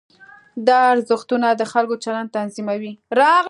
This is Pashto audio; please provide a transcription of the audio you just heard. دا ارزښتونه د خلکو چلند تنظیموي.